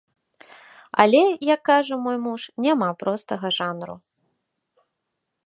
Але, як кажа мой муж, няма простага жанру.